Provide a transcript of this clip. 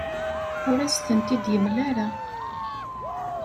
Ur as-tent-id-yemla ara.